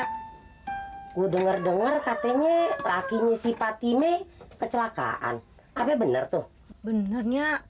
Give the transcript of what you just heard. hai gue denger denger katanya rakinya si fatime kecelakaan apa bener tuh benernya